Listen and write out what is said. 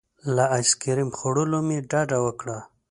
له ایس کریم خوړلو مې ډډه وکړه.